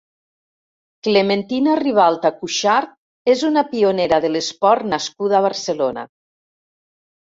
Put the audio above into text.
Clementina Ribalta Cuxart és una pionera de l’esport nascuda a Barcelona.